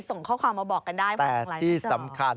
ส่งข้อความมาบอกกันได้มาอย่างไรที่สำคัญ